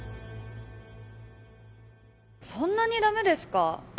そんなにダメですか？